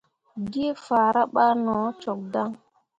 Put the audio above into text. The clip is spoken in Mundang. Geefahra ɓah no cok dan.